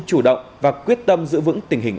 chủ động và quyết tâm giữ vững tình hình